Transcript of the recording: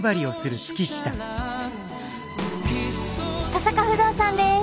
登坂不動産です。